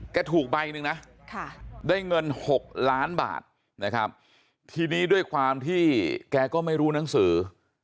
ถูกใบหนึ่งนะได้เงิน๖ล้านบาทนะครับทีนี้ด้วยความที่แกก็ไม่รู้หนังสือ